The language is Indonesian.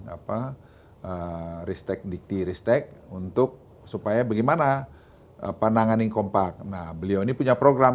apa restek dikti restek untuk supaya bagaimana penanganan kompak nah beliau ini punya program